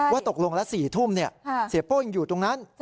ตกลงละ๔ทุ่มเสียโป้ยังอยู่ตรงนั้น